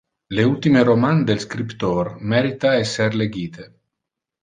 Le ultime roman del scriptor merita esser legite.